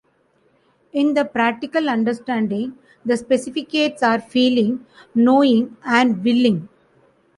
In the practical understanding, the specificates are feeling, knowing and willing.